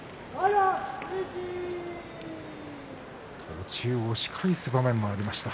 途中、押し返す場面もありました。